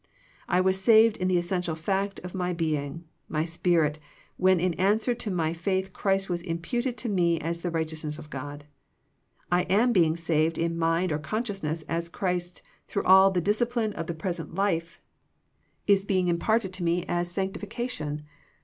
I was saved in the essential fact of my being, my spirit, when in answer to my faith Christ was imputed to me as the righteousness of God. I am being saved in mind or consciousness as Christ through all the discipline of the present life is being im 56 THE PEACTIOE OF PEAYEE parted to me as sanctification.